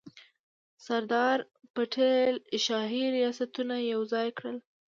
سردار پټیل شاهي ریاستونه یوځای کړل.